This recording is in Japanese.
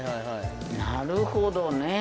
なるほどねえ。